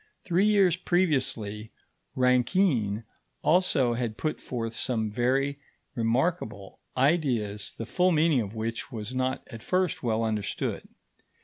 Three years previously, Rankine also had put forth some very remarkable ideas the full meaning of which was not at first well understood.